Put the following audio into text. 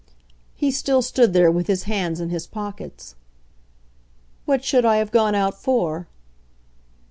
He still stood there with his hands in his pockets. "What should I have gone out for?"